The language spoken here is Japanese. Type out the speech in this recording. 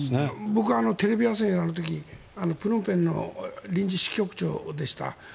僕、テレビ朝日のプノンペンの臨時支局長でした。